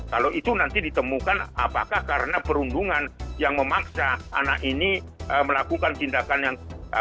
kalau itu nanti ditemukan apakah karena perundungan yang memaksa anak ini melakukan tindakan yang